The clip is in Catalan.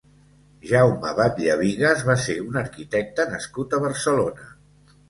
Jaume Batlle Bigas va ser un arquitecte nascut a Barcelona.